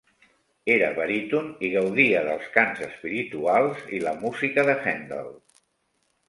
Era baríton i gaudia dels cants espirituals i la música de Handel.